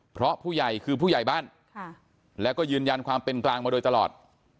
เพราะผู้ใหญ่คือผู้ใหญ่บ้านแล้วก็ยืนยันความเป็นกลางมาโดยตลอด